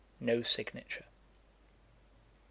[No signature.